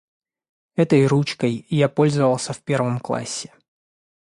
Этой ручкой я пользовался в первом классе.